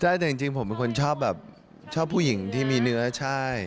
ใช่แต่จริงผมเป็นคนชอบแบบชอบผู้หญิงที่มีเนื้อใช่